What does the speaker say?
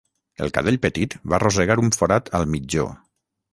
El cadell petit va rosegar un forat al mitjó.